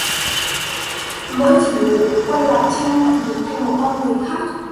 Mỗi chỉ nhớ đến quân là trinh như biến thành một con người khác